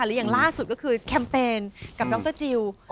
หรืออย่างล่าสุดก็คือแคมเปญกับน้องเจ้าจิล